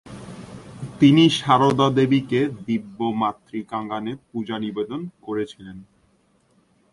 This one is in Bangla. তিনি সারদা দেবীকে দিব্য মাতৃকাজ্ঞানে পূজা নিবেদন করেছিলেন।